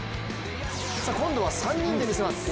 さあ、今度は３人で見せます。